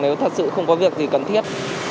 nếu thật sự không có việc gì cần thiết